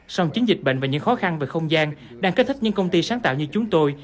song chiến dịch bệnh và những khó khăn về không gian đang kích thích những công ty sáng tạo như chúng tôi